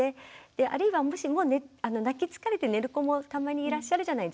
あるいはもし泣き疲れて寝る子もたまにいらっしゃるじゃないですか。